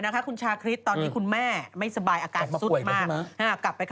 ดาราเบ๊ะปาก